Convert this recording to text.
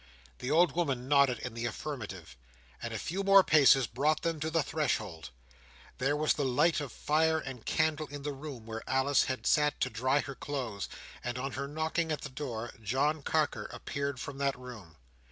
The old woman nodded in the affirmative; and a few more paces brought them to the threshold. There was the light of fire and candle in the room where Alice had sat to dry her clothes; and on her knocking at the door, John Carker appeared from that room.